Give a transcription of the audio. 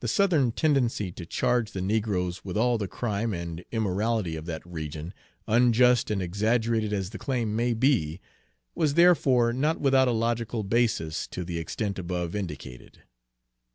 The Southern tendency to charge the negroes with all the crime and immorality of that region, unjust and exaggerated as the claim may be, was therefore not without a logical basis to the extent above indicated.